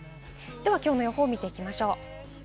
きょうの予報を見ていきましょう。